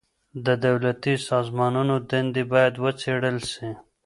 د دولتي سازمانونو دندي بايد وڅېړل سي.